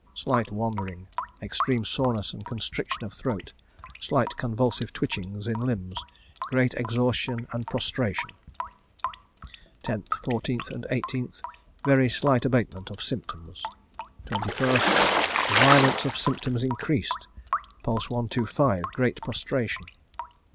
Slight wandering. Extreme soreness and constriction of throat. Slight convulsive twitchings in limbs. Great exhaustion and prostration. 10th, 14th, 18th. Very slight abatement of symptoms. 21st. Violence of symptoms increased. Pulse 125. Great prostration.